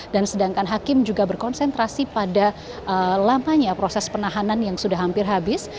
dan sedangkan hakim juga berkonsentrasi pada lamanya proses penahanan yang sudah hampir habis